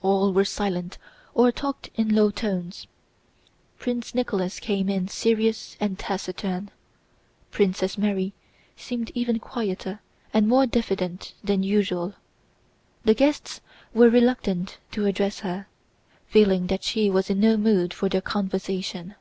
All were silent or talked in low tones. Prince Nicholas came in serious and taciturn. Princess Mary seemed even quieter and more diffident than usual. The guests were reluctant to address her, feeling that she was in no mood for their conversation.